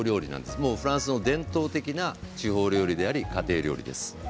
もうフランスの伝統的なお料理であり家庭料理です。